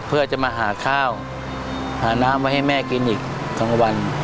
เพื่อจะมาหาข้าวหาน้ำไว้ให้แม่กินอีก๒วัน